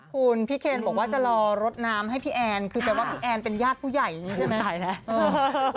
คุณพี่เคนบอกว่าจะรอรถน้ำให้พี่แอนคือแปลว่าพี่แอนเป็นญาติผู้ใหญ่อย่างนี้ใช่ไหม